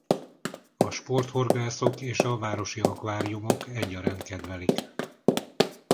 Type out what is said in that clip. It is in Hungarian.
A sporthorgászok és a városi akváriumok egyaránt kedvelik.